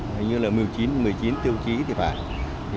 hình như là một mươi chín tiêu chí thì phải